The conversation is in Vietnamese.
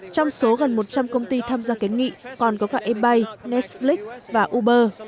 trong số gần một trăm linh công ty tham gia kiến nghị còn có cả ebay netflix và uber